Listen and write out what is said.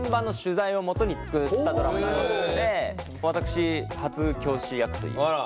私初教師役といいますか。